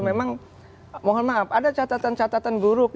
memang mohon maaf ada catatan catatan buruk